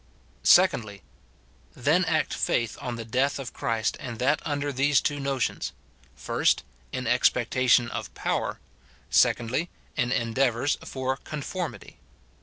Secondly, Then act faith on the death of Christ, and ^that under these two notions, — first, In expectation of power ; secondly. In endeavours for conformity.'